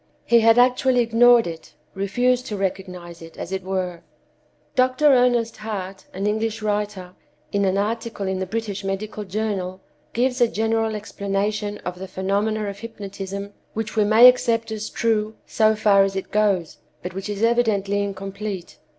He had actually ignored it; refused to recognize it, as it were." Dr. Ernest Hart, an English writer, in an article in the British Medical Journal, gives a general explanation of the phenomena of hypnotism which we may accept as true so far as it goes, but which is evidently incomplete.